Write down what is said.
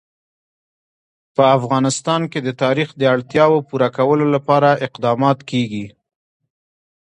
په افغانستان کې د تاریخ د اړتیاوو پوره کولو لپاره اقدامات کېږي.